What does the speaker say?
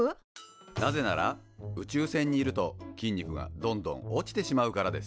なぜなら宇宙船にいると筋肉がどんどん落ちてしまうからです。